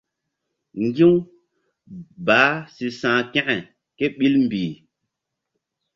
Ŋgi̧-u baah si sa̧h kȩke ke ɓil mbih.